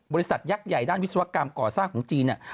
ยักษ์ใหญ่ด้านวิศวกรรมก่อสร้างของจีนเนี่ย